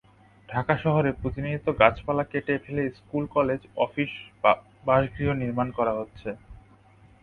ঢাকা শহরে প্রতিনিয়ত গাছপালা কেটে ফেলে স্কুল, কলেজ, অফিস, বাসগৃহ নির্মাণ করা হচ্ছে।